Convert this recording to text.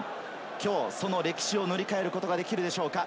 きょうその歴史を塗り替えることができるでしょうか。